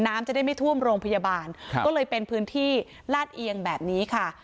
น้ำจะได้ไม่ท่วมโรงพยาบาลก็เลยเป็นพื้นที่ลาดเอียงแบบนี้ค่ะ